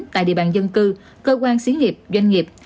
tại địa bàn dân cư cơ quan xí nghiệp doanh nghiệp